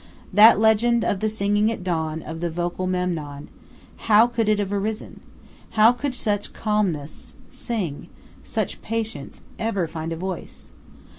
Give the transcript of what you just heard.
That legend of the singing at dawn of the "vocal Memnon," how could it have arisen? How could such calmness sing, such patience ever find a voice?